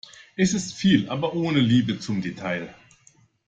Es ist viel, aber ohne Liebe zum Detail.